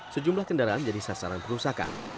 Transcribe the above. sejumlah kendaraan jadi sasaran kerusakan